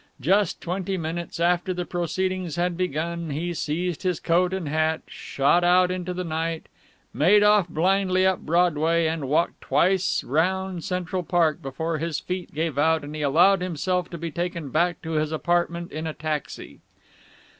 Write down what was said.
Just twenty minutes after the proceedings had begun, he seized his coat and hat, shot out into the night, made off blindly up Broadway, and walked twice round Central Park before his feet gave out and he allowed himself to be taken back to his apartment in a taxi.